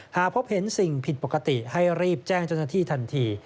หากพบเห็นสิ่งผิดปกติให้รีบแจ้งเจ้าหน้าที่ทันที